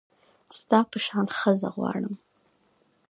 ستا په شان ښځه غواړم